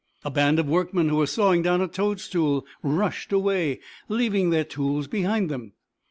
A band of workmen, who were sawing down a toadstool, rushed away, leaving their tools behind them.